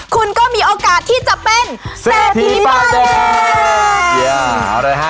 คุณก็มีโอกาสที่จะเป็นเสธีปราแดกเอาเลยฮะ